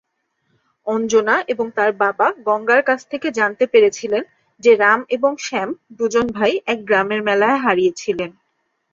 অঞ্জনা এবং তার বাবা গঙ্গার কাছ থেকে জানতে পেরেছিলেন যে রাম এবং শ্যাম দু'জন ভাই এক গ্রামের মেলায় হারিয়েছিলেন।